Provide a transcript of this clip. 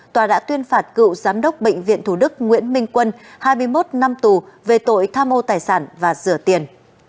tòa đã tuyên phạt cựu giám đốc bệnh viện thủ đức nguyễn minh quân hai mươi một năm tù về tội tham mô tài sản và rửa tiền